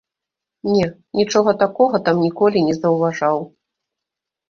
Не, нічога такога там ніколі не заўважаў.